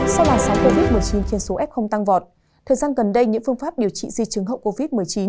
sau làn sóng covid một mươi chín trên số f tăng vọt thời gian gần đây những phương pháp điều trị di chứng hậu covid một mươi chín